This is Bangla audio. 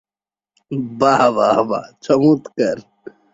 তিনি দুটি অলিম্পিক গেমসে যুক্তরাষ্ট্রের হয়ে প্রতিনিধিত্ব করেছেন।